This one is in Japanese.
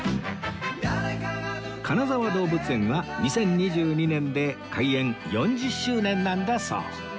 金沢動物園は２０２２年で開園４０周年なんだそう